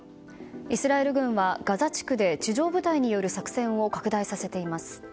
イスラエル軍はガザ地区で地上部隊による作戦を拡大させています。